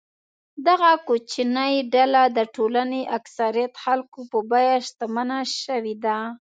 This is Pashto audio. دغه کوچنۍ ډله د ټولنې اکثریت خلکو په بیه شتمنه شوې ده.